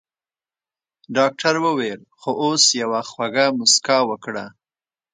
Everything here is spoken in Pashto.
ډاکټر وويل خو اوس يوه خوږه مسکا وکړه.